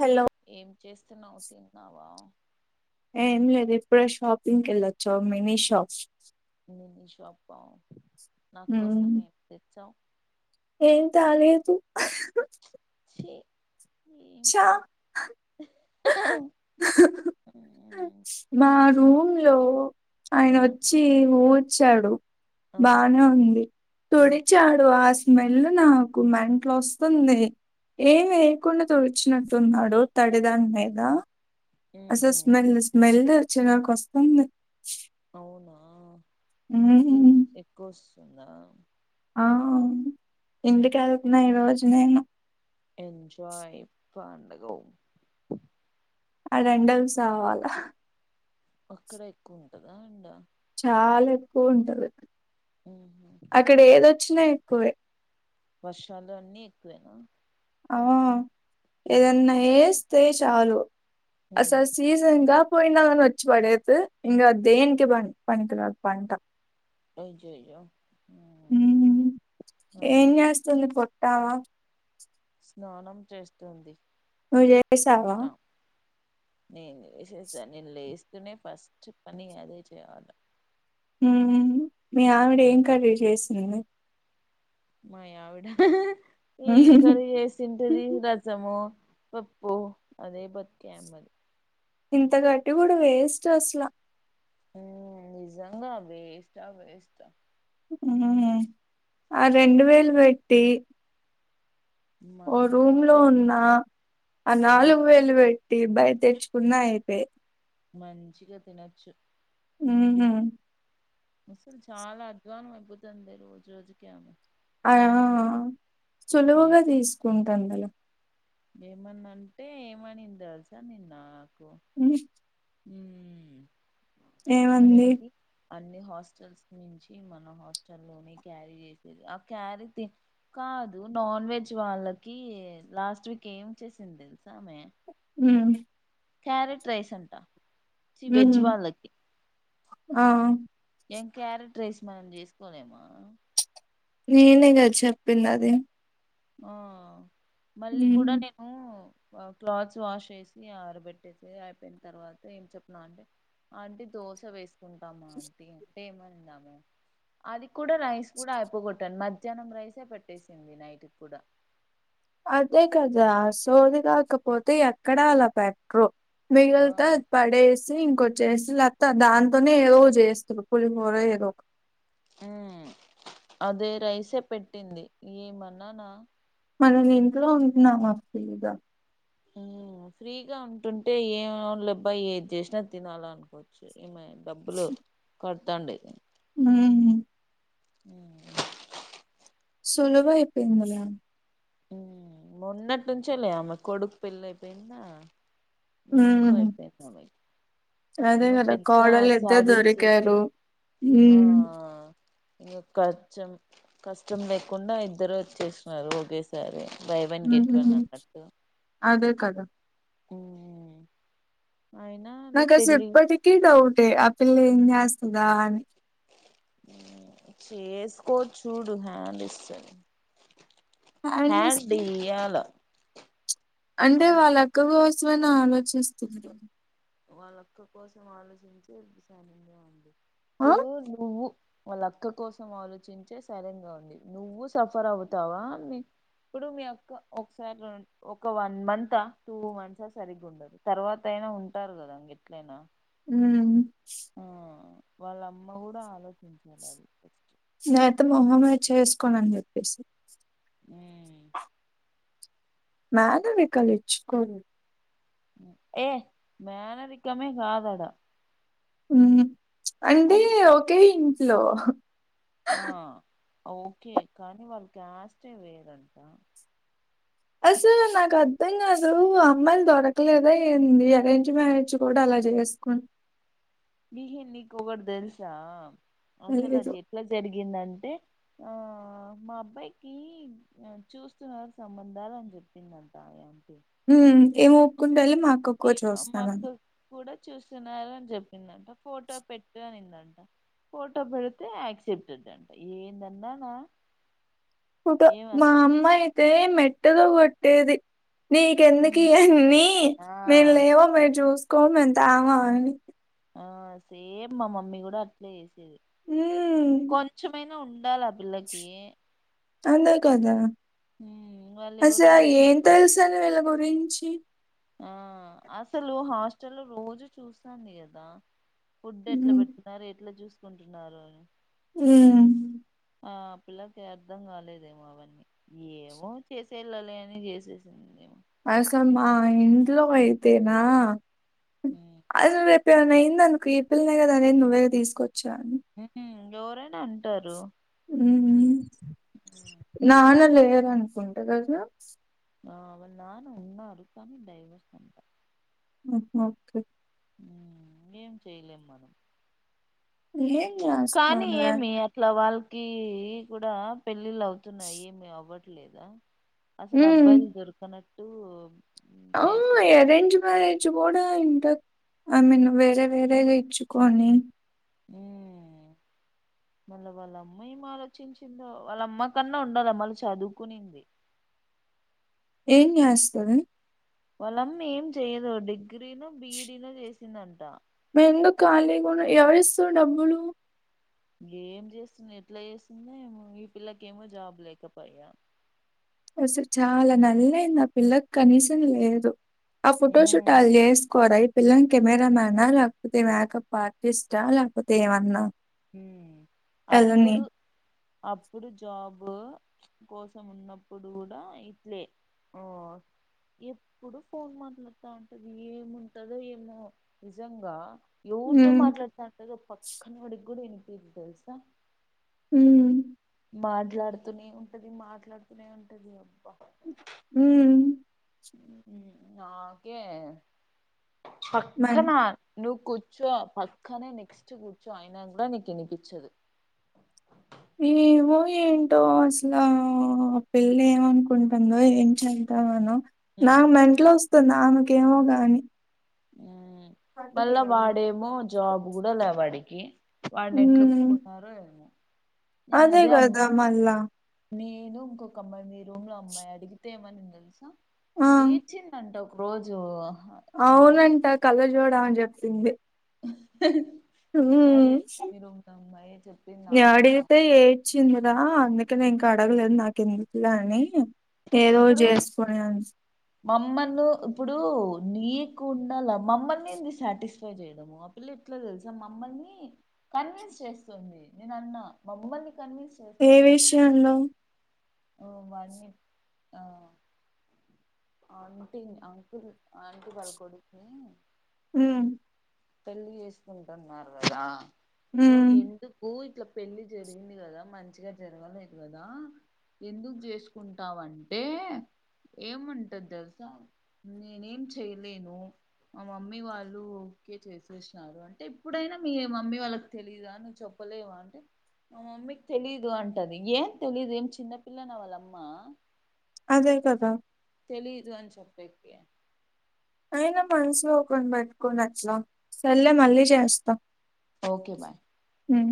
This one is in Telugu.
హలో ఏం చేస్తున్నావు తిన్నావా ఏం లేదు ఇప్పుడే షాపింగ్ కి వెళ్లొచ్చా మినీ షాప్ మినీ షాపహా నా మ్మ్. కోసమే ఏం తెచ్చావ్ ఏం తేలేదు చే చా మా రూమ్లో ఆయన వచ్చి ఊచ్చాడు ఆ బానే ఉంది తుడిచాడు ఆ స్మెల్ నాకు మెంట్ల వస్తుంది ఏం ఏయకుండా తుడిచినట్టు ఉన్నాడు తడిదాని మీద అస్సలు ఉహు స్మెల్ స్మెల్ చిరాకు వస్తుంది అవునా మ్మ్. ఎక్కువ వస్తుందా ఆ ఇంటికి వెళ్తున్నా ఈ రోజు నేను ఎంజాయ్ పండగో అడా ఎండకి సవాలా అక్కడ ఎక్కువ ఉంటదా ఎండా చాలా ఎక్కువ ఉంటంది ఉహు అక్కడ ఏదొచ్చినా ఎక్కువే వర్షాలు అన్నీ ఎక్కువేనా అ ఏదన్న ఏస్తే చాలు అస్సలు సీజన్ గా పోయిందాన వచ్చి పడేత్ ఇంగ దేనికి పన్ పనికీ రాదు పంట అయ్యయ్యో మ్ ఉమ్ అదేదో రావా స్నానం చేస్తుంది నువ్వు చేశావా పుట్ట నేను లేసేసా నేను లేస్తూనే ఫస్ట్ పని అదే చేయాల ఉమ్ మీ ఆవిడ ఏం కర్రి చేసింది మా ఆవిడా ఏం కర్రీ చేసింటది రాసామో పప్పు అదే బొత్తి ఆమెది ఇంత గట్టి కూడ వేస్ట్ అసల ఉమ్ నిజంగా వేస్టా వేస్టా ఉమ్ ఆ ఓ రెండు వేలు వెట్టి ఓ మనము రూమ్ లో అదే ఉన్నా ఆ ఉమ్, నాలుగు వేలు వెట్ టి బయ్ తెచ్చుకున్నా అయిపే మంచిగ తినచ్చు ఉమ్ ముసల్ది చాలా అద్వానం అయిపోతాందే రోజురోజుకి ఆమె అయో సులువుగా తీసుకుంటాన్దల ఏమన్న అంటే ఏమనింది దెలుసా నిన్న [unintelligible] ఉమ్మ్ ఏమంది అన్ని హాస్టల్స్ నుంచి మన హాస్టల్లోనే క్యారీ చేసేది ఆ క్యారీ తి క్క కాదు నాన్వెజ్ వాళ్ళకి లాస్ట్ వీక్ ఏం చేసాం దె హ్మ్ క్యారెట్ రైస్ అంట ఛి వెజ్ హ్మ్ వాళ్ళకి ఆ... ఏం క్యారెట్ రైస్ మనం జేసుకోలేమా నేనే గద చెప్పింది అది ఆ మళ్ళీ కూడా నేను క్లాత్స్ వాష్ చేసి ఆరబెట్టేసి అయిపోయిన తర్వాత ఏం చెప్పన్నా అంటే ఆంటి దోస వేస్ తింటాము ఆంటీ అంటే ఏమనింది ఆమె అది కూడా రైస్ కూడా అయిపో గొట్టండి మ ధ్యాహ్నం రైసే పెట్టేసింది నైటికి కూడ అదే కదా సోది కాకపోతే ఎక్కడ అలా పెట్ట్రరు ఆ వీలైతే అది పడేసి ఇంకొ చేసి లత్త దాంతోనే ఏదో చేస్తరు పులిహోర ఏదో ఒక ఉమ్ అదే రైసే పెట్టింది ఏమన్నానా మనం ఇంట్లో ఉంటున్నాము మాకు తెలీద హ్మ్ ఫ్రీగా ఉంటుంటే ఏవో లేబ్బ ఏద్ జేసినా తినాల అనుకోవచ్చు ఈమె డబ్బులు కట్టండి హ్మ్ అ సులవైపెందిలె మొన్నట్నుంచేలే ఆమె కొడుకు పెళైపోయింద హ్మ్ ఎక్కువైపోయింది ఆమె అదే కదా కోడలు ఇద్దర్ దొరికారు హ్మ్ ఇంకా కచెం కష్టం లేకుండా ఇద్దరు వచ్చేసిన్నారు ఒకేసారి బైవన్ గెట్ వన్ అన్నట్టు కాదు హ్మ్ నాకు అసలు ఇప్పటికీ డౌటే ఆ పిల్ల ఏం చేస్తదా అని చేసుకోదు చూడు హెండ్ ఇస్తది అండ్ హ్యాండ్స్ డియాలో అంటే వాళ్ళ అక్కకోసమైనా ఆలోచిస్తున్నారు. వాళ్ళ అక్క కోసం ఆలోచించడం సరిగా ఉంది ఆ ఇప్పుడు నువ్వు వాళ్ళ అక్క కోసం ఆలోచించే సరిగ్గా ఉంది. నువ్వు సఫర్ అవుతావా నీ ఇప్పుడు మీ అక్క ఒకసారి ఒక వన్ మంత్ ఆ టూ మంత్ ఆ సరిగగా ఉండదు తర్వాత అయినా ఉంటారు కదా ఎట్లైనా మ్ వాళ్ళమ్మ కూడా ఆలోచించాలి ఫస్ట్. లేకపోతే మొహమే చేసుకోను అని చెప్పేసేయ్ మేనరికాలు ఇచ్చుకోరు. ఏ మేనరికమే కాదు ఆడ. అంటే ఒకే ఇంట్లో ఆ ఓకే కానీ వాళ్ళ క్యాస్టే వేరంట. అసలు నాకు అర్థం కాదు అమ్మాయిలు దొరకలేదా ఏంది అరేంజ్ మ్యారేజ్ కూడా అలా వదిలేస్కుండు నీకు ఒకటి తెలుసా అసలు అది ఎట్లా జరిగి తగ్గిందంటే ఆ మా అబ్బాయికి చూస్తున్నారు సంబంధాలు అని చెప్పిందంతాయ అంటే మ్ ఏం ఒప్పుకుంటే వెళ్ళి మా అక్కకు చూస్తాను అది చిన్నోడు అని చెప్పిందంట ఫోటో పెట్టు అనిందంట. ఫోటో పెడితే యాక్సప్ట్ చేసిందట ఏందన్నానా? వద్దు ఏం మా అస్ అమ్మా అయితే మెట్టతో కొట్టేది. నీకెందుకు ఉమ్, ఇవన్నీ ఆ మేము లేమా, మేము చూసుకోమా, మేము తేమా అని ఆ సేమ్ మా మమ్మీ కూడా అట్లే చేసేది ఉమ్ కొంచమైనా ఉండాల. పిల్లకి అంతే కదా ఉమ్, వాళ్ళు ఎవరో అసలు అడిగి ఏం తెలుసు అని వీళ్ళకు గురించి ఆ అసలు హాస్టల్ లో రోజూ చూస్తాంది కదా. ఫుడ్ ఎట్లా ఉమ్ పెడుతున్నారు ఎట్లా చూసుకుంటున్నారు అని మ్ ఆ పిల్లలకి అర్థం కాలేదేమో అవన్నీ ఏమో చేసే చేసేయళ్ల లే అని అని చేసేసిందేమో మరి అసలు మా ఇంట్లో అయితేనా ఉమ్. అసలు రేపుమన్నా అయితే అయ్యింది అనుకో ఈ పిల్లనే కదా అనేది నువ్వే తీసుకొచ్చావని ఎవరైనా అంటారు. ఉమ్. నాన్న లేరునుకుంటే కదా? ఆ అవునా ఉన్నారనుకుంటా దైవ సంకల్పం ఓకే ఏం చేయలేం ఎహే కానీ ఏమి అట్లా వాళ్ల కి కూడా పెళ్ళిళ్ళు అవుతున్నాయి ఏమి అవ్వట్లేదా? అసలు ఉమ్ అబ్బాయిలు దొరుకనే ఆ ఎరేంజ్ మ్యారేజ్ కూడా ఐ మీన్ వేరే వేరేగా ఇచ్చుకొని ఉమ్మ్మ్ మళ్ళా వాళ్ళ అమ్మా ఏం ఆలోచించిందో వాళ్ళమ్మ కన్నా ఉండాలా మళ్ళీ చదువుకునింది ఏం చేస్తాది? వాళ్ళమ్మ ఏం చెయ్యదు డిగ్రీనో బి. ఇడీ నో చేసిందంట. మేందు ఖాళీ కూడా ఎవరి ఇస్తారు డబ్బులు ఏం చేస్తుంది ఎట్లా చేస్తుందో ఏమో ఈ పిల్లకేమో జాబ్ లేకపాయా అసలు చాలా నలయింది ఆ పిల్లకు కనీసం లేదు ఆ ఫోటోషూట్ మ్మ్ అల్ చేస్కోరా ఇ పిల్లన్ కెమెరామనా లేకపోతే మేకప్ ఆర్టిస్టా లేకపోతే ఏమన్నా ఉహ్మ్ ఎళ్ళని. అప్పుడు అప్పుడు జాబ్ కోసం ఉన్నప్పుడు కూడా ఇట్లే ఓ ఎప్పుడు ఫోన్ మాట్లాడుతా ఉంటది ఏముంటదో ఏమో నిజంగా ఎవరితో హ్మ్. మాట్లాడుతంటాదో పక్కన వాడికి కూడా ఇనిపియ్యదు తెలుసా ఉమ్మ్మ్ మాట్లాడుతూనే ఉంటది మాట్లాడుతూనే ఉంటది అ ఉహ్మ్ ఉమ్మ్ నాకే మన్ పక్కన నువ్ కూచో పక్కనే నెక్స్ట్ కుచో అయినా కూడా నీకు వినిపిచదు ఏమో ఏంటో అసల ఆ పిల్ల ఏమనుకుంటుందో ఏంట్లేదో అవునా నాకు మెంట్లోస్తుంది ఆమెకేమో గాని ఉమ్మ్ మళ్ళా వాడేమో జాబ్ కూడా ల్యా వాడికి వాడిని ఉమ్, ఎట్లోప్పుకున్నారో ఏమో నేను అదే అ కదా మళ్ళా నేను ఇంకొక అమ్మాయి మీ రూమ్లో అమ్మాయి అడిగితే ఏమనింది తెలుసా ఆ ఏడ్చింది అంటా ఒకరోజు అవునంట కళ్ళజోడు అమె చెప్పింది అదే మీ రూమ్ లో అమ్మాయి చెప్పింది నాకు కూడా అడిగితే ఏడ్చింది కదా అందుకనే ఇంకా అడగలేదు నాకు ఎందుకులా అని ఏదో ఇప్పుడు చేసుకునేది మమ్మను ఇప్పుడు నీకుండాల మమ్మల్ని ఏంది సాటిస్ఫై చేయడము ఆ పిల్ల ఎట్లా తెలుసా మమ్మల్ని కన్విన్స్ చేస్తుంది నేనన్న మమ్మల్ని కన్విన్స్ ఏ విషయంలో ఓ వాని ఆ ఆంటీ అకుల్ ఆంటీ వాళ్ళ కొడుకుని ఉమ్మ్ పెళ్లి చేసుకుంటున్నారు కదా సో ఉమ్, ఎందుకు ఇట్ల పెళ్లి జరిగింది కదా మంచిగా జరగలేదు కదా ఎందుకు చేసుకుంటావంటే ఏమం టది తెలుసా నేనేం చేయలేను మా మమ్మీ వాళ్ళు ఓకే చేసే శారు అంటే ఇప్పుడైనా మీ మమ్మీ వాళ్ళకి తెలీదా నువ్వు చెప్పలేవా అంటే మా మమ్మీకి తెలీదు అంటది ఏం తెలీదు ఏం చిన్నపిల్లన వాళ్ళమ్మ అదే కదా తెలిదు అని చెప్పేకి అయినా మనసు లో ఒకని పెట్టుకోని అట్లా సల్లేె మళ్ళీ చేస్తా ఓకే బాయ్ ఉమ్